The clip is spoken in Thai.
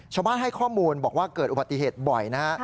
ชาวบ้านให้ข้อมูลบอกว่าเกิดอุบัติเหตุบ่อยนะฮะ